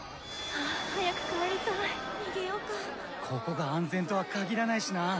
ここが安全とは限らないしな。